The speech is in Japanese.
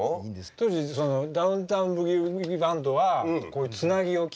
当時ダウン・タウン・ブギウギ・バンドはこういうつなぎを着て。